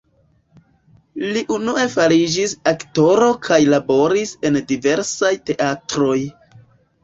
Li unue fariĝis aktoro kaj laboris en diversaj teatroj.